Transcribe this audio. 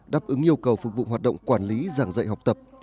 đáp ứng yêu cầu phục vụ hoạt động quản lý giảng dạy học tập